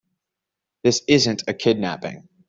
This isn't a kidnapping.